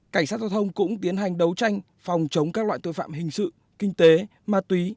cảnh sát giao thông cũng tiến hành đấu tranh phòng chống các loại tội phạm hình sự kinh tế ma túy